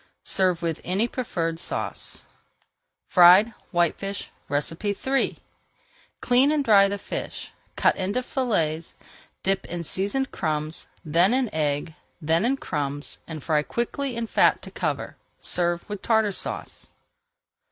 Serve with any preferred sauce. [Page 442] FRIED WHITEFISH III Clean and dry the fish, cut into fillets, dip in seasoned crumbs, then in egg, then in crumbs, and fry quickly in fat to cover. Serve with Tartar Sauce.